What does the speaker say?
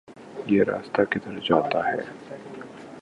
یہ راستہ کدھر جاتا ہے